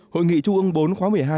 hội nghị chung ưng bốn khóa một mươi hai